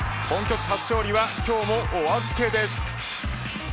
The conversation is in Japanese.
本拠地初勝利は今日もお預けです。